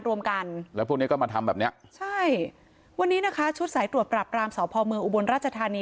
รวมกันแล้วพวกนี้ก็มาทำแบบเนี้ยใช่วันนี้นะคะชุดสายตรวจปรับรามสพเมืองอุบลราชธานี